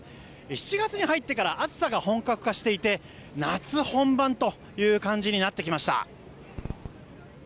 ７月に入ってから暑さが本格化していて夏本番という感じになってきました。